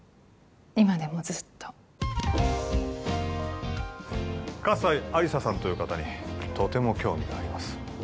今でもずっと葛西亜理紗さんという方にとても興味があります